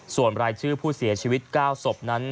ส่วนรายชื่อผู้เสียชีวิต๙ศพนั้น